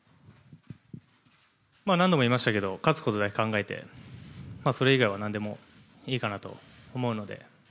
何度も言いましたけど勝つことだけ考えてそれ以外は何でもいいかなと思うので。